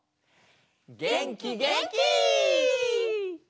げんきげんき！